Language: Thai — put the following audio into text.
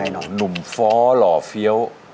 หนุ่มฟ้อหล่อเฟี้ยว